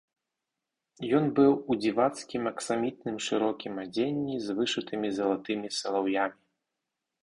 Ён быў у дзівацкім аксамітным шырокім адзенні з вышытымі залатымі салаўямі.